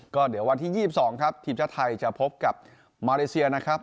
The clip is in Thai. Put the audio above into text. ก็เดี๋ยววันที่๒๒ครับทีมชาติไทยจะพบกับมาเลเซียนะครับ